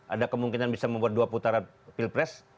ada kemungkinan bisa membuat dua putaran pilpres